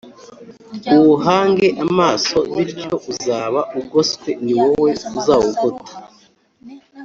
uwuhange amaso bityo uzaba ugoswe ni wowe uzawugota